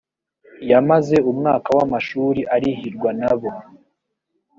yamaze umwaka w amashuri arihirwa nabo